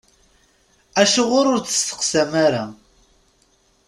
Acuɣer ur d-testeqsam ara?